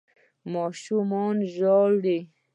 ماشومان ژاړي